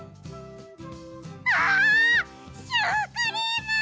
あシュークリーム！